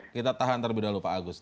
kita tahan terlebih dahulu pak agus